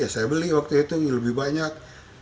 saya beli waktu itu lebih banyak